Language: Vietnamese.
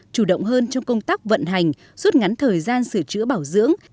chủ động hơn trong công tác vận hành rút ngắn thời gian sửa chữa bảo dưỡng